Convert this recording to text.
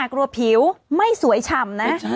กลัวผิวไม่สวยฉ่ำนะ